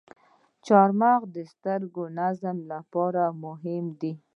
چارمغز د سترګو د نظر لپاره مهم دی.